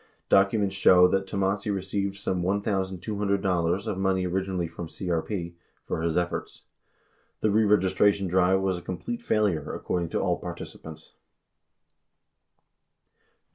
Documents show that Tomassi received some $1,200 of money originally from CEP for his efforts. The reregistration drive was a complete failure, according to all participants.